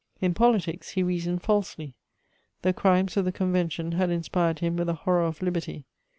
In politics, he reasoned falsely: the crimes of the Convention had inspired him with a horror of liberty.